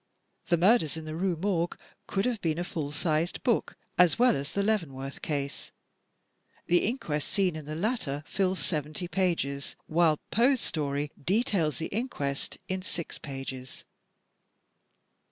"The Murders in the Rue Morgue" could have been a full sized book as well as "The Leavenworth Case." The inquest scene in the latter fills seventy pages, while Poe's story details the inquest in six pages.